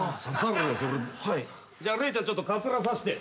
じゃあ礼ちゃんちょっとかつらさして。